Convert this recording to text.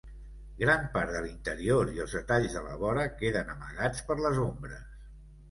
Gran part de l'interior i els detalls de la vora queden amagats per les ombres.